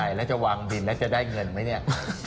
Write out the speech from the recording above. แล้วจะวางบินแล้วจะได้เงินไหมเนี่ย